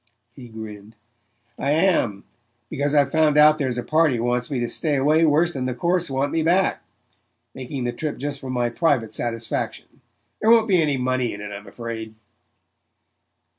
He grinned. "I am, because I've found out there's a party wants me to stay away worse than the courts want me back. Making the trip just for my private satisfaction there won't be any money in it, I'm afraid."